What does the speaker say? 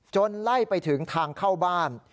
ไล่ไปถึงทางเข้าบ้าน